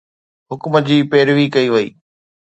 حڪم جي پيروي ڪئي وئي.